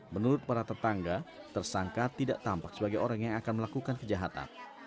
menurut para tetangga tersangka tidak tampak sebagai orang yang akan melakukan kejahatan